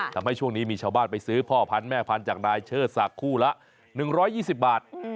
ทำให้ช่วงนี้มีชาวบ้านไปซื้อพ่อพันธ์แม่พันธุ์จากนายเชิดศักดิ์คู่ละ๑๒๐บาท